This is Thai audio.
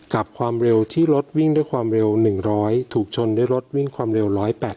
กับความเร็วที่รถวิ่งด้วยความเร็ว๑๐๐ถูกชนด้วยรถวิ่งความเร็ว๑๘๐